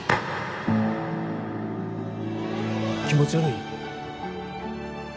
気持ち悪い？